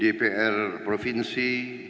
di dpr provinsi